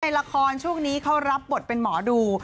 ในลักษณ์ช่วงนี้เขารับบทเป็นหมอดู